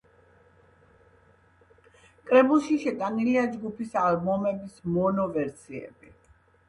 კრებულში შეტანილია ჯგუფის ალბომების მონო ვერსიები.